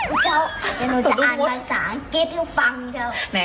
อุ้ยเจ้ายังไม่อ่านภาษาอังกฤษอยู่ฟังเจ้า